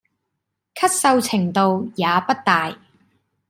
咳嗽程度也不大